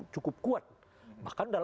cukup kuat bahkan